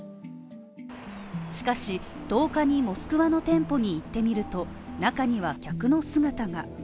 しかし１０日に、モスクワの店舗に行ってみると、中には客の姿が。